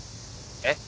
えっ？